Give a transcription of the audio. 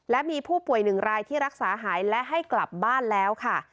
และมีผู้ป่วยหนึ่งรายที่รักษาหายและให้กลับบ้านแล้วค่ะ